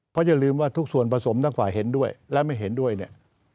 เพราะอย่าลืมว่าทุกส่วนผสมทั้งฝ่ายเห็นด้วยและไม่เห็นด้วยเนี่ย